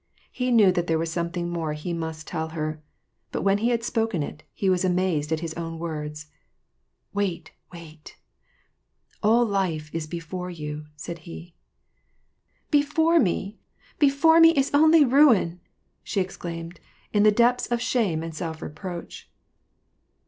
He knew that there was something more he must ' 11 her. But when he had spoken it, he was amazed at his Vn words. " Wait, wait ! all life is before you," said he. '^"Before me!" she exclaimed. "Before me is only ruin !" ^e exclaimed, in the depths of shame and self reproach.